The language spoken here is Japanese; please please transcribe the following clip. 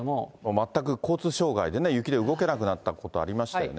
全く交通障害でね、雪で動けなくなったこと、ありましたよね。